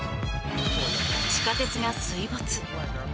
地下鉄が水没。